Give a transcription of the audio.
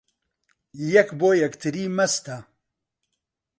یەک بۆ یەکتری مەستە